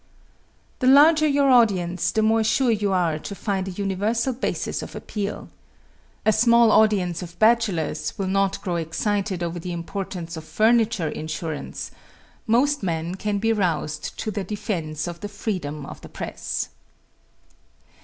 The larger your audience the more sure you are to find a universal basis of appeal. A small audience of bachelors will not grow excited over the importance of furniture insurance; most men can be roused to the defense of the freedom of the press.